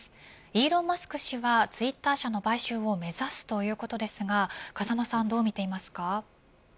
イーロン・マスク氏はツイッター社の買収を目指すということですがどう見てますか。